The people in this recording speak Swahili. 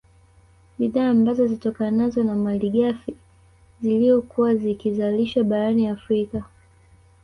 Bidhaa ambazo zitokanazo na malighafi ziliyokuwa zikizalishwa barani Afrika